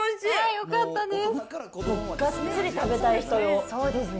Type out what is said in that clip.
よかったです。